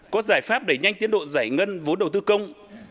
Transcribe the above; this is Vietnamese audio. có giải pháp để nhanh tiến độ giải ngân vốn đầu tư công